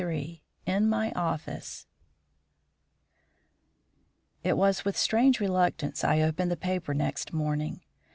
XXIII IN MY OFFICE It was with strange reluctance I opened the paper next morning.